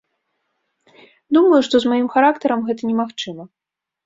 Думаю, што з маім характарам гэта немагчыма.